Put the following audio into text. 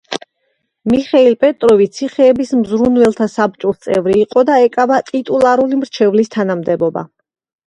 მიხეილ პეტროვი ციხეების მზრუნველთა საბჭოს წევრი იყო და ეკავა ტიტულარული მრჩევლის თანამდებობა.